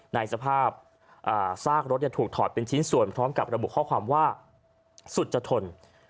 ในสภาพซากรถถูกถอดเป็นชิ้นส่วนพร้อมกับระบุข้อความว่าสุจทน